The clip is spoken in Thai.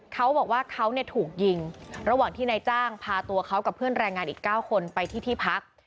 เขาบอกว่าเขาเนี่ยถูกยิงระหว่างที่นายจ้างพาตัวเขากับเพื่อนแรงงานอีก๙คนไปที่ที่พัก